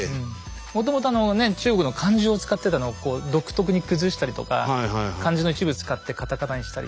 もともと中国の漢字を使ってたのを独特に崩したりとか漢字の一部使ってカタカナにしたり。